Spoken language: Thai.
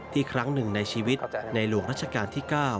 ครั้งหนึ่งในชีวิตในหลวงรัชกาลที่๙